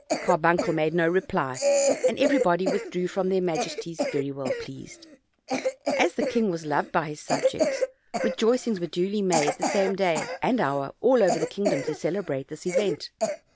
Carbuncle made no reply, and everybody withdrew from their majesties very well pleased. As the king was loved by his subjects, rejoicings were duly made the same day and hour all over the kingdom to celebrate this event.